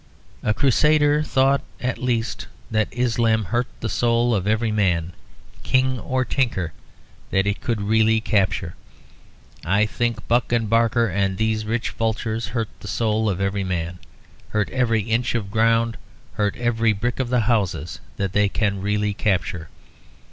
A Crusader thought, at least, that Islam hurt the soul of every man, king or tinker, that it could really capture. I think Buck and Barker and these rich vultures hurt the soul of every man, hurt every inch of the ground, hurt every brick of the houses, that they can really capture.